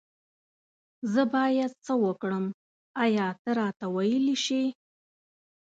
زه بايد سه وکړم آيا ته راته ويلي شي